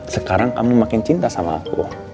sekarang kami makin cinta sama aku